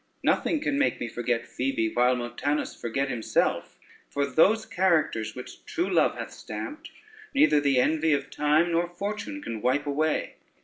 "Nothing can make me forget Phoebe, while Montanus forget himself; for those characters which true love hath stamped, neither the envy of time nor fortune can wipe away."